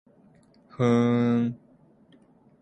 ふーん